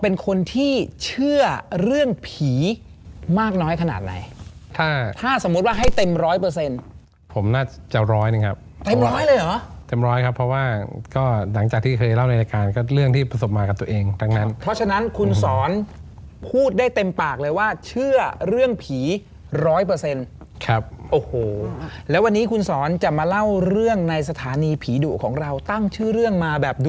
เป็นคนที่เชื่อเรื่องผีมากน้อยขนาดไหนถ้าถ้าสมมุติว่าให้เต็มร้อยเปอร์เซ็นต์ผมน่าจะร้อยหนึ่งครับเต็มร้อยเลยเหรอเต็มร้อยครับเพราะว่าก็หลังจากที่เคยเล่าในรายการก็เรื่องที่ประสบมากับตัวเองทั้งนั้นเพราะฉะนั้นคุณสอนพูดได้เต็มปากเลยว่าเชื่อเรื่องผีร้อยเปอร์เซ็นต์ครับโอ้โหแล้ววันนี้คุณสอนจะมาเล่าเรื่องในสถานีผีดุของเราตั้งชื่อเรื่องมาแบบด